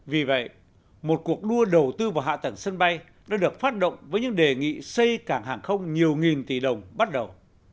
vì vậy một cuộc đua đầu tư vào hạ tầng sân bay đã được phát động với những đề nghị xây cảng hàng không nhiều nghìn tỷ đồng bắt đầu